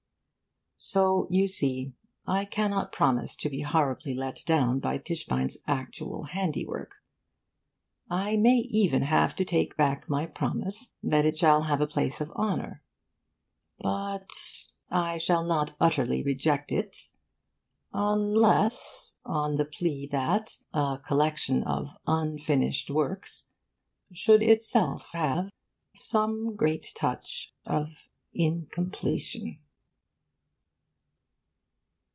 So, you see, I cannot promise not to be horribly let down by Tischbein's actual handiwork. I may even have to take back my promise that it shall have a place of honour. But I shall not utterly reject it unless on the plea that a collection of unfinished works should itself have some great touch of incompletion.